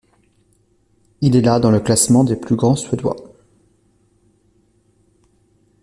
Il est la dans le classement des plus grands Suédois.